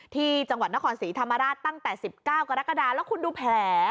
ที่จังหวัดนครศรีธรรมราชตั้งแต่๑๙กรกฎาแล้วคุณดูแผล